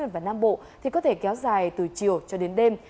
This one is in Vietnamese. bắc bộ có thể kéo dài từ chiều cho đến đêm